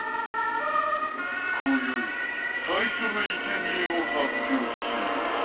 こよい最初のいけにえを発表しよう。